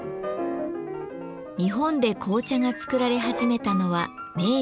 日本で紅茶が作られ始めたのは明治初期。